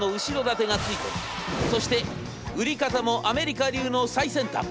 そして売り方もアメリカ流の最先端